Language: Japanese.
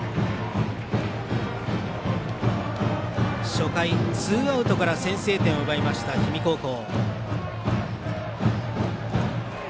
初回、ツーアウトから先制点を奪いました氷見高校。